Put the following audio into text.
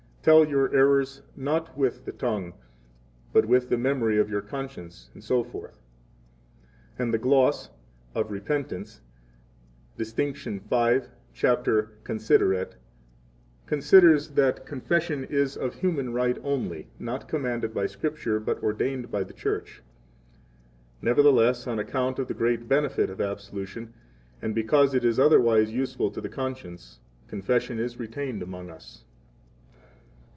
Tell your errors, not with the tongue, but with the memory of your conscience, etc. 12 And the Gloss (Of Repentance, Distinct. V, Cap. Consideret) admits that Confession is of human right only [not commanded by Scripture, but ordained by the Church]. 13 Nevertheless, on account of the great benefit of absolution, and because it is otherwise useful to the conscience, Confession is retained among us.